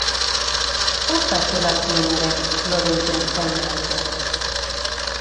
Bost axola zion orain Florenten zain egotea.